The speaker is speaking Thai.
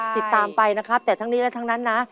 ติดตามไปนะครับแต่ทั้งนี้และทั้งนั้นนะ